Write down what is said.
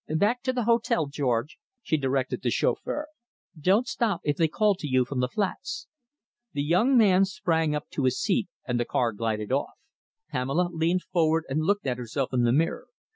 "Back to the hotel, George," she directed the chauffeur. "Don't stop if they call to you from the flats." The young man sprang up to his seat and the car glided off. Pamela leaned forward and looked at herself in the mirror.